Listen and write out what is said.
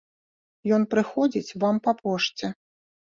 Ён прыходзіць вам па пошце.